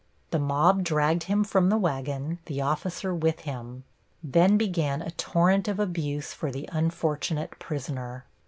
The mob dragged him from the wagon, the officer with him. Then began a torrent of abuse for the unfortunate prisoner.